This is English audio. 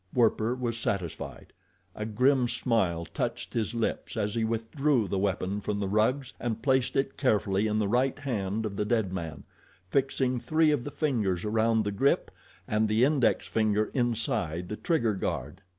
Werper was satisfied. A grim smile touched his lips as he withdrew the weapon from the rugs and placed it carefully in the right hand of the dead man, fixing three of the fingers around the grip and the index finger inside the trigger guard.